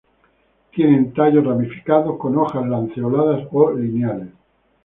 Tienen tallos ramificados con hojas lanceoladas o lineales.